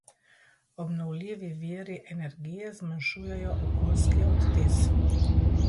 Obnovljivi viri energije zmanjšujejo okoljski odtis.